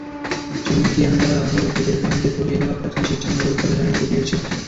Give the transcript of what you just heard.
চীনের কিয়ানদাও হ্রদের পানিতে তলিয়ে যাওয়া প্রাচীন শিচেং নগরের কথা জানিয়েছে বিবিসি।